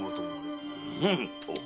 何と！